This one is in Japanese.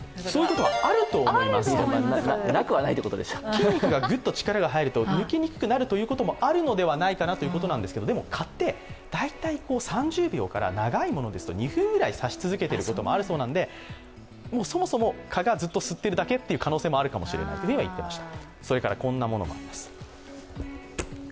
筋肉にグッと力が入ると、抜きにくくなることもあるのではないかということですが、でも蚊って、大体３０秒から長いものでは２分くらい刺し続けていることもあるそうなので、そもそも蚊がずっと吸ってるだけという可能性もあるかもしれないと言っていました。